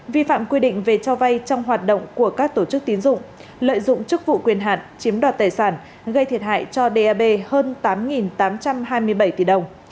vi phạm quy định về cho vay trong hoạt động của các tổ chức tín dụng lợi dụng chức vụ quyền hạn chiếm đoạt tài sản gây thiệt hại cho dap hơn tám tám trăm hai mươi bảy tỷ đồng